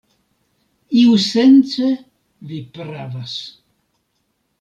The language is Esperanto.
Iusence vi pravas.